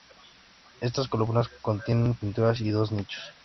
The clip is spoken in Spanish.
Estas columnas contienen pinturas y dos nichos.